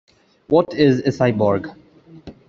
What is a cyborg?